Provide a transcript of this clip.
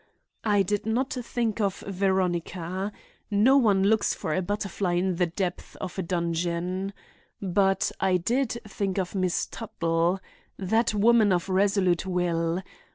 I did not think of Veronica. No one looks for a butterfly in the depths of a dungeon. But I did think of Miss Tuttle—that woman of resolute will.